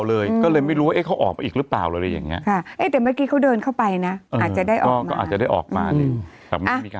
แล้วปรับปรับว่ายังไงก็คือได้ออกมายังหลังจากนี้